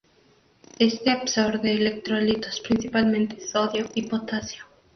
Este absorbe electrolitos, principalmente sodio y potasio.